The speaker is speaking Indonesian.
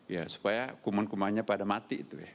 ya supaya kuman kumannya pada mati itu ya